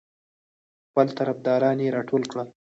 خپل طرفداران یې راټول کړل.